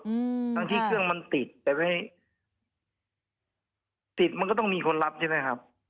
ตอนที่เครื่องมันติดแปลว่าติดมันก็ต้องมีคนรับใช่ไหมครับ